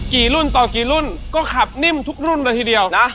กี่รุ่นต่อกี่รุ่นก็ขับนิ่มทุกรุ่นเลยทีเดียวนะ